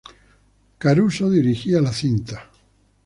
Caruso dirigiría la cinta.